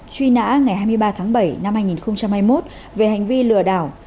truy nã ngày hai mươi ba tháng bảy năm hai nghìn hai mươi một về hành vi lừa đảo